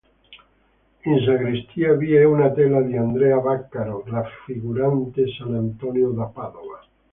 In sagrestia vi è una tela di Andrea Vaccaro raffigurante "Sant'Antonio da Padova".